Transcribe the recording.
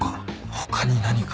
他に何か。